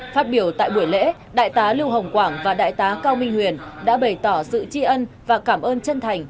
phát biểu tại buổi lễ đại tá lưu hồng quảng và đại tá cao minh huyền đã bày tỏ sự tri ân và cảm ơn chân thành